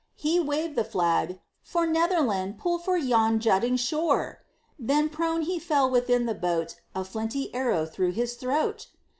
He waved the flag: "For Netherland, Pull for yon jutting shore!" Then prone he fell within the boat, A flinthead arrow through his throat!